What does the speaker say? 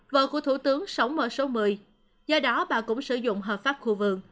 vợ của thủ tướng sống ở số một mươi do đó bà cũng sử dụng hợp pháp khu vườn